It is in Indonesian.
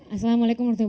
assalamualaikum wr wb